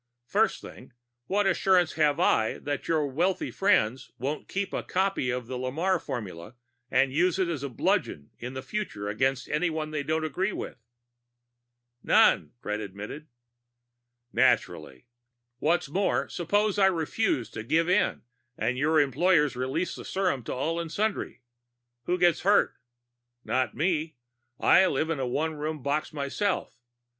First thing, what assurance have I that your wealthy friends won't keep a copy of the Lamarre formula and use it as a bludgeon in the future against anyone they don't agree with?" "None," Fred admitted. "Naturally. What's more, suppose I refuse to give in and your employers release the serum to all and sundry. Who gets hurt? Not me; I live in a one room box myself.